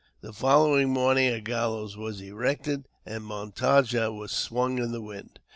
The following morning a gallows was erected, and Montaja was swung in the wind.